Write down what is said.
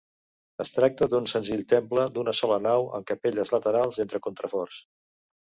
Es tracta d'un senzill temple d'una sola nau amb capelles laterals entre contraforts.